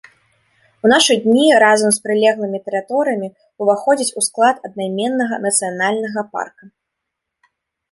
У нашы дні разам з прылеглымі тэрыторыямі ўваходзіць у склад аднайменнага нацыянальнага парка.